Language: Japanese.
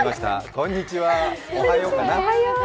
こんにちは、おはようかな。